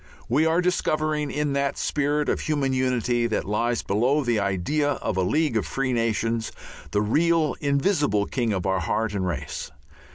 We are discovering in that spirit of human unity that lies below the idea of a League of Free Nations the real invisible king of our heart and race.